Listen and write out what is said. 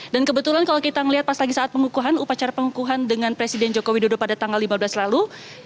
dan kebetulan kalau kita melihat pas lagi saat pengukuhan upacara pengukuhan dengan presiden joko widodo pada tanggal lima belas lalu